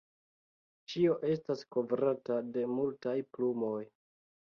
Ĉio estas kovrata de multaj plumoj.